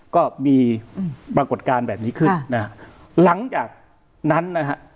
ก็มีปรากฏการณ์แบบนี้ขึ้นนะฮะหลังจากนั้นนะฮะ